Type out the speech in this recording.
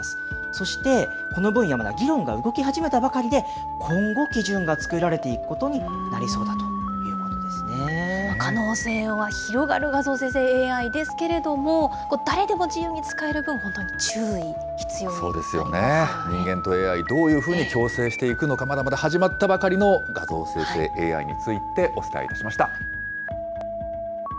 そして、この分野、議論が動き始めたばかりで、今後基準が作られていくことになりそうだというこ可能性は広がる画像生成ＡＩですけれども、誰でも自由に使える分、本当に注意、必要になりまそうですよね、人間とＡＩ、どういうふうに共生していくのか、まだまだ始まったばかりの画像生成ＡＩについてお伝えいたしました。